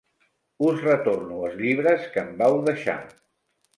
Us retorno els llibres que em vau deixar.